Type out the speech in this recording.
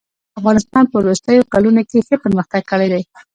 افغانستان په وروستيو کلونو کښي ښه پرمختګ کړی دئ.